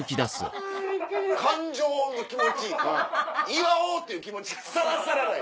感情気持ち祝おうっていう気持ちがさらさらない！